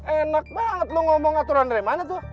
enak banget lo ngomong aturan dari mana tuh